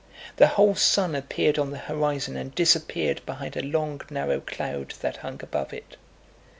The whole sun appeared on the horizon and disappeared behind a long narrow cloud that hung above it.